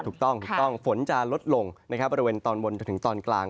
ถูกต้องฝนจะลดลงบริเวณตอนบนถึงตอนกลาง